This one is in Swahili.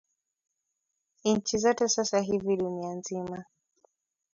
nchi zote sasa hivi dunia nzima